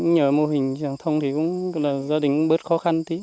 nhờ mô hình trang thông thì gia đình cũng bớt khó khăn tí